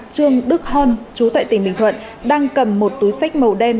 trương đức hơn chú tại tỉnh bình thuận đang cầm một túi sách màu đen